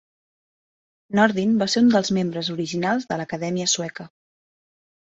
Nordin va ser un dels membres originals de l'Acadèmia Sueca.